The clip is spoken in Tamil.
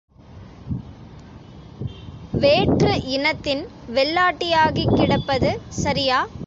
வேற்று இனத்தின் வெள்ளாட்டியாகிக் கிடப்பது சரியா?